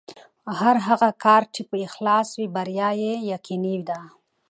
او هر هغه کار چې په اخلاص وي، بریا یې یقیني ده.